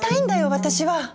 私は。